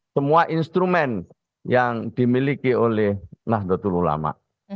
semua instrumen yang dimiliki oleh nahdlatul ulama